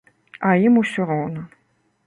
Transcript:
А ім усё роўна.